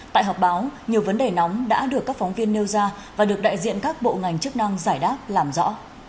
tại họp báo nhiều vấn đề nóng đã được các phóng viên nêu ra và được đại diện các bộ ngành chức năng giải đáp làm rõ